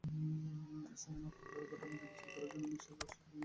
স্থানীয় মাতবরেরা ঘটনাটির বিচার করার আশ্বাস দিলে রাতে পরিস্থিতি শান্ত হয়।